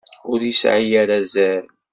Ur yesɛi ara azal!